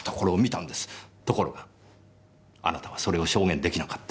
ところがあなたはそれを証言できなかった。